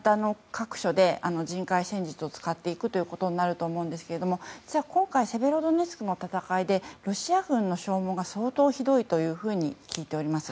各所で人海戦術を使っていくことになると思うんですが実は今回セベロドネツクの戦いでロシア軍の消耗が相当ひどいと聞いております。